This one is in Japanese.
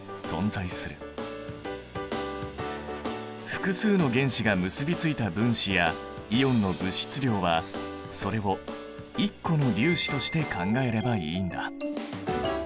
複数の原子が結びついた分子やイオンの物質量はそれを１個の粒子として考えればいいんだ。